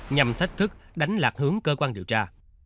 nhằm thách thức đánh lạc hướng cơ quan điều tra